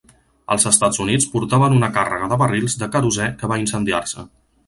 Els "Estats Units" portaven una càrrega de barrils de querosè que va incendiar-se.